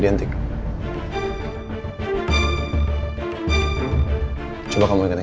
dan perbedaan nyobanya dengan dia